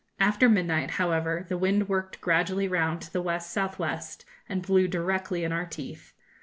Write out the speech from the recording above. After midnight, however, the wind worked gradually round to the W.S.W., and blew directly in our teeth.